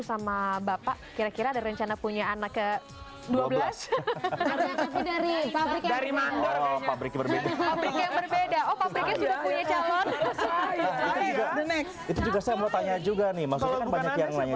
sama bapak kira kira ada rencana punya anak ke dua belas dari pabrik yang berbeda beda